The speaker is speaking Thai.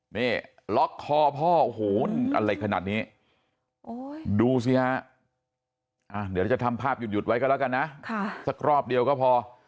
นี่ล็อกคอพ่อโอ้โหอะไรขนาดนี้ดูสิฮะเดี๋ยวจะทำภาพหยุดไว้ก็แล้วกันนะสักรอบเดียวก็พอ